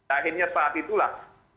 akhirnya saat itulah